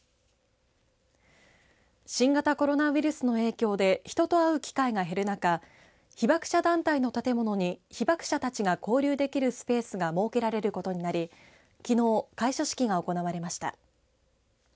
新型コロナウイルスの影響で人と会う機会が減る中被爆者団体の建物に被爆者たちが交流できるスペースが設けられることになりきのう開所式が行われました。